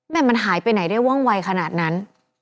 มันหายไปไหนได้ว่องวัยขนาดนั้น